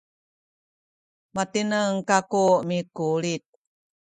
matineng kaku mikulit